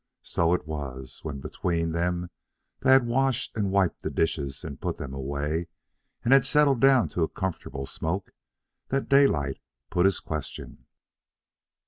So it was, when between them they had washed and wiped the dishes and put them away, and had settled down to a comfortable smoke, that Daylight put his question.